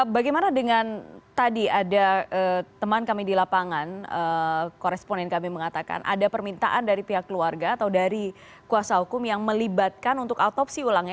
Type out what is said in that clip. bagaimana dengan tadi ada teman kami di lapangan koresponen kami mengatakan ada permintaan dari pihak keluarga atau dari kuasa hukum yang melibatkan untuk autopsi ulangnya